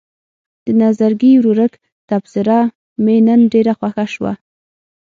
د نظرګي ورورک تبصره مې نن ډېره خوښه شوه.